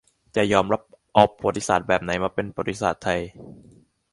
จะยอมรับเอาประวัติศาสตร์แบบไหนมาเป็นประวัติศาสตร์ไทย